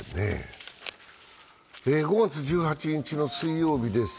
５月１８日の水曜日です。